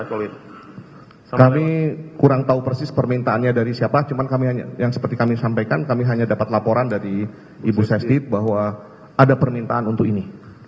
kami kurang tahu persis permintaannya dari siapa cuma yang seperti kami sampaikan kami hanya dapat laporan dari ibu sestip bahwa ada permintaan untuk ini